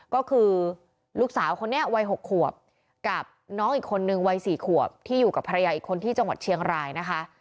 ก็คือลูกสาวคนนี้วัย๖ขวบกับน้องอีกคนนึงวัย๔ขวบที่อยู่กับภรรยาอีกคนที่จังหวัดเชียงรายนะคะ